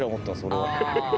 俺は。